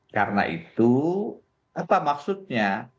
karena itu apa maksudnya